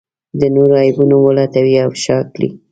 د نورو عيبونه ولټوي او افشا کړي.